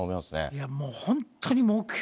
いやもう本当に目標